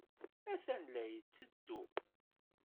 Atan la d-yetteddu.